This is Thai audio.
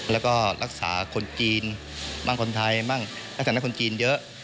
แล้วก็รักษาคนจีนบ้างคนไทยบ้างลักษณะคนจีนเยอะ